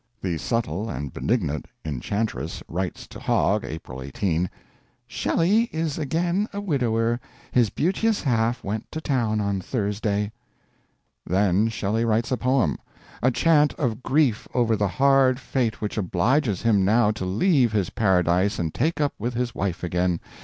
The subtle and benignant enchantress writes to Hogg, April 18: "Shelley is again a widower; his beauteous half went to town on Thursday." Then Shelley writes a poem a chant of grief over the hard fate which obliges him now to leave his paradise and take up with his wife again.